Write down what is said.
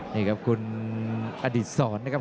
นี่ครับคุณอดิษรนะครับ